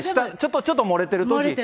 ちょっと漏れてるとき。